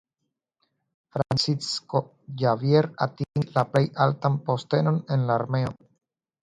Francisco Javier atingis la plej altan postenon en la armeo.